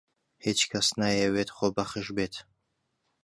هیچ کەس نایەوێت خۆبەخش بێت.